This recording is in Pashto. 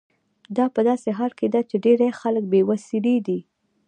دا په داسې حال کې ده چې ډیری خلک بې وسیلې دي.